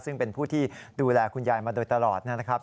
ซึ่งเป็นผู้ที่ดูแลคุณยายมาโดยตลอดนะครับ